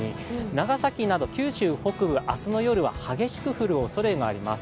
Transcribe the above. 長崎など九州北部、明日の夜は激しく降るおそれがあります。